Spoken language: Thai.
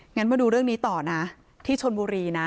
งั้นมาดูเรื่องนี้ต่อนะที่ชนบุรีนะ